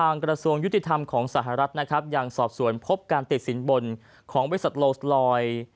กระทรวงยุติธรรมของสหรัฐนะครับยังสอบสวนพบการติดสินบนของบริษัทโลสลอย